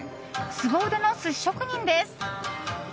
すご腕の寿司職人です。